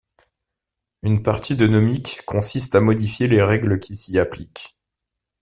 Une partie de Nomic consiste à modifier les règles qui s'y appliquent.